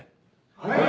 はい。